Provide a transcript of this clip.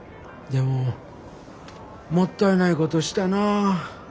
でももったいないことしたなあ。